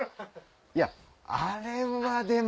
いやあれはでも。